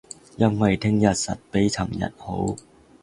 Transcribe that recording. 因為聼日實比尋日好